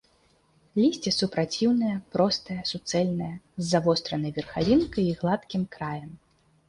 Лісце супраціўнае, простае, суцэльнае, з завостранай верхавінкай і гладкім краем.